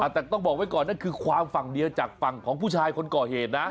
แต่ต้องบอกไว้ก่อนนั่นคือความฝั่งเดียวจากฝั่งของผู้ชายคนก่อเหตุนะ